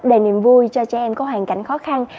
đầy niềm vui cho trẻ em có hoàn cảnh khó khăn